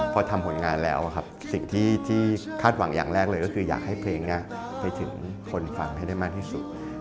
พอทำผลงานแล้วครับสิ่งที่คาดหวังอย่างแรกเลยก็คืออยากให้เพลงนี้ไปถึงคนฟังให้ได้มากที่สุด